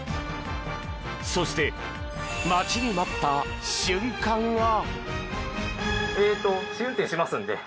そして、待ちに待った瞬間が。